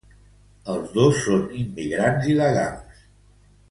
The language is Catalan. Els dos són immigrants il·legals.